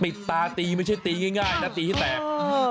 ตาตีไม่ใช่ตีง่ายนะตีให้แตก